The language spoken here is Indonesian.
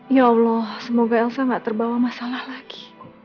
ya allah semoga elsa tidak terbawa masalah lagi